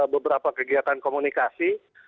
beberapa kegiatan komunikasi